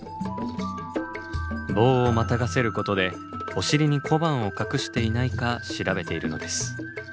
棒をまたがせることでお尻に小判を隠していないか調べているのです。